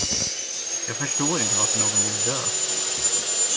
Jag förstår inte varför någon vill dö.